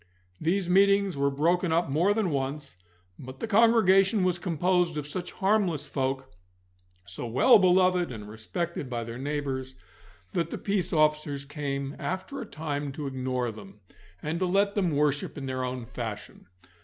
These meetings were broken up more than once, but the congregation was composed of such harmless folk, so well beloved and respected by their neighbours, that the peace officers came after a time to ignore them, and to let them worship in their own fashion.